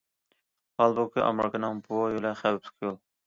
ھالبۇكى، ئامېرىكىنىڭ بۇ يولى خەۋپلىك يول.